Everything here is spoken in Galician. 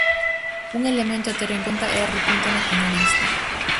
Un elemento a ter en conta é a repunta nacionalista.